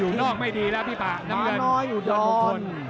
อยู่นอกไม่ดีแล้วพี่ป๊าน้ำเงิน